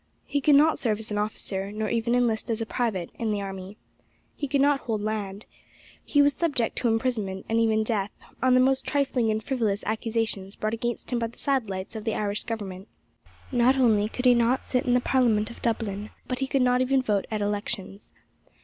He could not serve as an officer, nor even enlist as a private, in the army. He could not hold land. He was subject to imprisonment, and even death, on the most trifling and frivolous accusations brought against him by the satellites of the Irish Government. Not only could he not sit in the parliament of Dublin, but he could not even vote at elections.